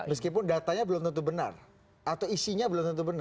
meskipun datanya belum tentu benar atau isinya belum tentu benar